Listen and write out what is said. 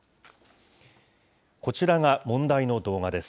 こちらが問題の動画です。